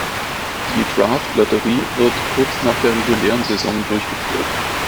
Die Draftlotterie wird kurz nach der regulären Saison durchgeführt.